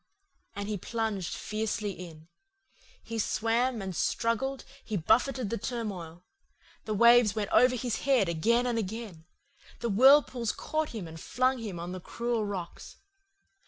"And he plunged fiercely in. He swam, and struggled, he buffetted the turmoil. The waves went over his head again and again, the whirlpools caught him and flung him on the cruel rocks.